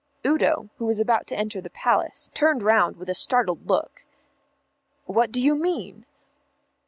Udo, who was about to enter the Palace, turned round with a startled look. "What do you mean?"